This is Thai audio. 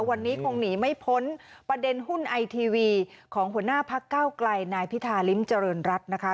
วันนี้คงหนีไม่พ้นประเด็นหุ้นไอทีวีของหัวหน้าพักเก้าไกลนายพิธาริมเจริญรัฐนะคะ